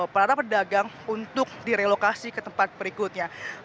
para pedagang untuk direlokasi ke tempat berikutnya